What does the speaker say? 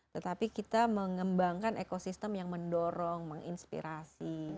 tetapi kita mengembangkan ekosistem yang mendorong menginspirasi